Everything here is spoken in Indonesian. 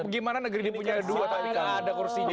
gimana negeri ini punya dua tapi gak ada kursinya